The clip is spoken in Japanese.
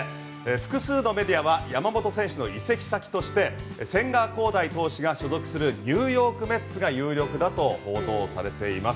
複数のメディアは山本選手の移籍先として千賀滉大投手が所属するニューヨーク・メッツが有力だと報道されています。